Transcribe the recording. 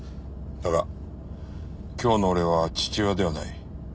だが今日の俺は父親ではない。